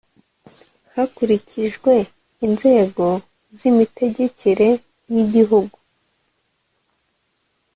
hakurikijwe inzego z imitegekere y igihugu